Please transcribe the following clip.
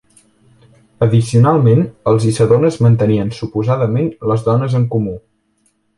Addicionalment, els Issedones mantenien suposadament les dones en comú.